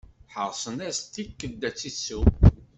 Herrsen-as-d tikedt ad tt-isew.